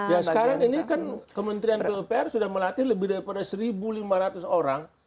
ya sekarang ini kan kementerian pupr sudah melatih lebih daripada satu lima ratus orang